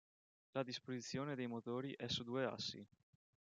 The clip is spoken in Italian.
La disposizione dei motori è su due assi.